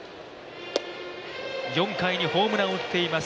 ４回にホームランを打っています